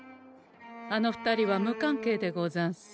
あの２人は無関係でござんす。